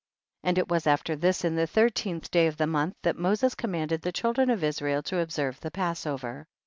15. And it was after this, in the thirteenth day of the month, that Moses commanded the children of Israel to observe the Passover.